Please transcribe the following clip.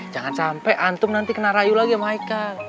jangan sampai antum nanti kena rayu lagi sama ikan